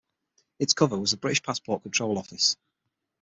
Its cover was the British Passport Control Office.